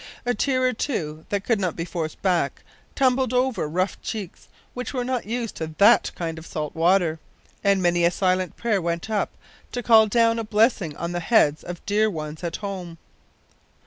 A tear or two that could not be forced back tumbled over rough cheeks which were not used to that kind of salt water; and many a silent prayer went up to call down a blessing on the heads of dear ones at home.